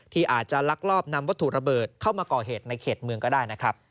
ที่อาจจะลักลอบนำวัตถุระเบิดเข้ามาก่อเหตุในเขตเมืองก็ได้นะครับ